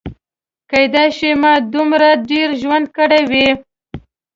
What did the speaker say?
کیدای شي ما دومره ډېر ژوند کړی وي.